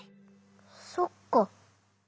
そっか。